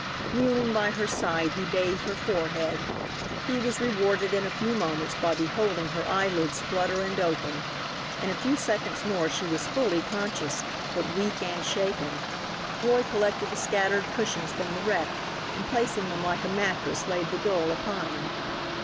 Kneeling by her side he bathed her forehead. He was rewarded in a few moments by beholding her eyelids flutter and open. In a few seconds more she was fully conscious, but weak and shaken. Roy collected the scattered cushions from the wreck, and placing them like a mattress laid the girl upon them.